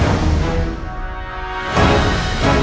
aku sudah menang